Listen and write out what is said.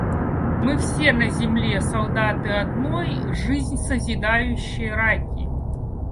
Мы все на земле солдаты одной, жизнь созидающей рати.